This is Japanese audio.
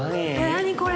何これ？